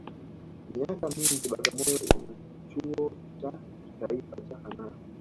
Miaka mingi Bagamoyo ina chuo cha kitaifa cha Sanaa